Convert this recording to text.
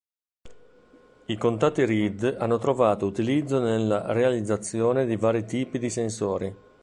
I contatti Reed hanno trovato utilizzo nella realizzazione di vari tipi di sensori.